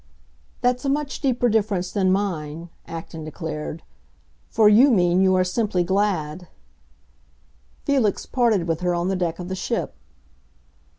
"That's a much deeper difference than mine," Acton declared; "for you mean you are simply glad!" Felix parted with her on the deck of the ship.